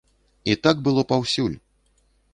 І так было паўсюль!